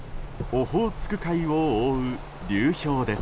オホーツク海を覆う流氷です。